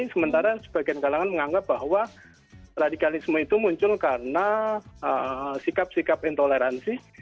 sementara sebagian kalangan menganggap bahwa radikalisme itu muncul karena sikap sikap intoleransi